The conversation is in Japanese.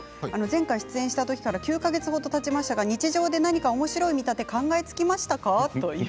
前回、出演したときからから９か月ほどたちましたが日常で何かおもしろい見立ては考えつきましたか？